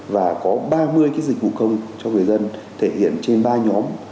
và có ba mươi cái dịch vụ công cho người dân thể hiện trên ba nhóm